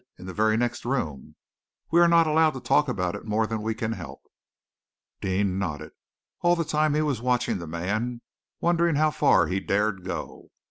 "In the very next room. We are not allowed to talk about it more than we can help." Deane nodded. All the time he was watching the man, wondering how far he dared go.